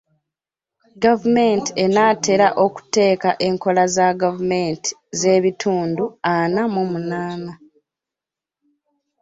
Gavumenti enaatera okuteeka enkola za gavumenti z'ebitundu ana mu munaana.